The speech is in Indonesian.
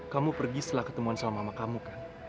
kamu pergi setelah ketemuan sama mama kamu kan